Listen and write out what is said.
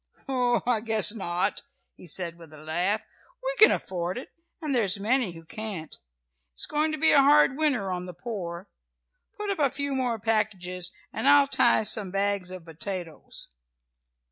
"Oh, I guess not," he said with a laugh, "We can afford it, and there's many who can't. It's going to be a hard winter on the poor. Put up a few more packages, and I'll tie up some bags of potatoes!"